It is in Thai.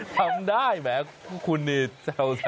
ทำได้แหมคุณนี่เจ้าส้ำ